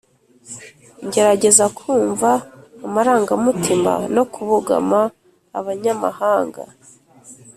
Ngerageza kumva amarangamutima no kubogama abanyamahanga